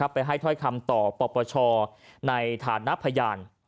ไปให้ถ้อยคำต่อปปชในฐานะพยาน